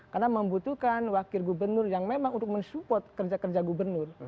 karena membutuhkan wakil gubernur yang memang untuk mensupport kerja kerja gubernur